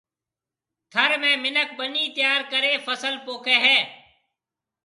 ٿر ۾ مِنک ٻنيَ تيار ڪرَي فصل پوکيَ ھيََََ